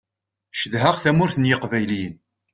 Cedhaɣ tamurt n yiqbayliyen.